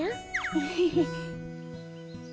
エヘヘ。